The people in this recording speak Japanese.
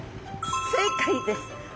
正解です。